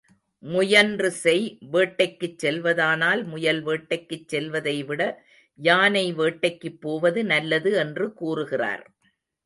முயன்று செய், வேட்டைக்குச் செல்வதானால் முயல் வேட்டைக்குச் செல்வதைவிட யானை வேட்டைக்குப் போவது நல்லது என்று கூறுகிறார்.